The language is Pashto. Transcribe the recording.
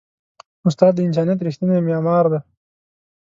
استاد د انسانیت ریښتینی معمار دی.